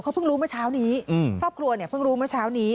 เขาเพิ่งรู้เมื่อเช้านี้ครอบครัวเนี่ยเพิ่งรู้เมื่อเช้านี้